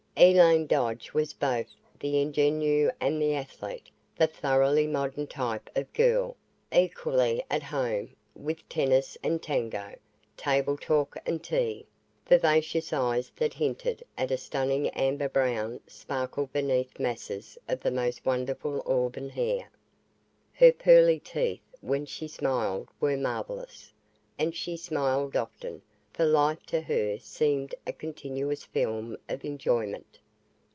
Elaine Dodge was both the ingenue and the athlete the thoroughly modern type of girl equally at home with tennis and tango, table talk and tea. Vivacious eyes that hinted at a stunning amber brown sparkled beneath masses of the most wonderful auburn hair. Her pearly teeth, when she smiled, were marvellous. And she smiled often, for life to her seemed a continuous film of enjoyment.